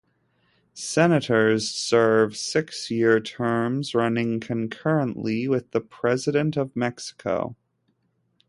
Senators serve six-year terms, running concurrently with the President of Mexico.